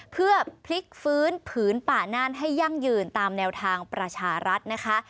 เพื่อพลิกฟื้นผืนป่าน่านให้ยั่งยืนตามแนวทางประชารัฐนะคะ